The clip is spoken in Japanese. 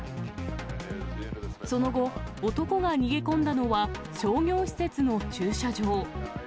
その後、男が逃げ込んだのは、商業施設の駐車場。